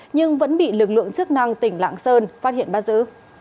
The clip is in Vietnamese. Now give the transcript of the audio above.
nhưng vẫn bị lực lượng chức năng tỉnh lạng sơn phát hiện ba dữ